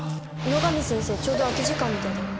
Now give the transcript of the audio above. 野上先生ちょうど空き時間みたいだよ。